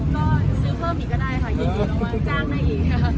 ก็ซื้อเพิ่มอีกก็ได้ค่ะยินลงมาจ้างได้อีก